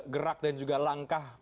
gerak dan juga langkah